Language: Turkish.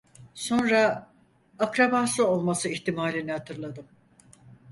Sonra akrabası olması ihtimalini hatırladım.